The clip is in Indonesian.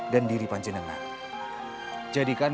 dan diri panjendengan